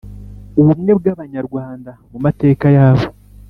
ubumwe bw’abanyarwanda mu mateka yabo,